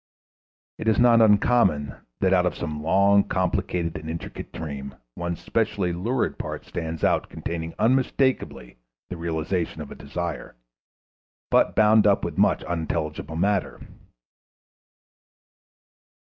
It is not uncommon that out of some long, complicated and intricate dream one specially lucid part stands out containing unmistakably the realization of a desire, but bound up with much unintelligible matter.